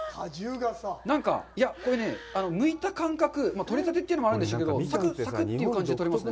なんか、いや、これね、むいた感覚、取れたてというのもあるんですけど、サクサクッという感じで取れますね。